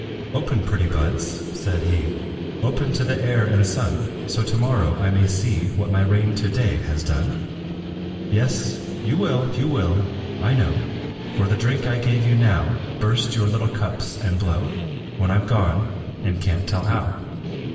"Open, pretty buds," said he, "Open to the air and sun; So, to morrow I may see What my rain to day has done. "Yes, you will, you will, I know, For the drink I give you now, Burst your little cups, and blow, When I'm gone, and can't tell how!